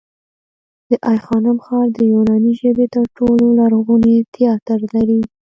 د آی خانم ښار د یوناني ژبې تر ټولو لرغونی تیاتر لري